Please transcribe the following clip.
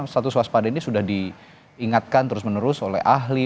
status waspada ini sudah diingatkan terus menerus oleh ahli